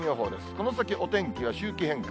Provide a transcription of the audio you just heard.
この先、お天気は周期変化。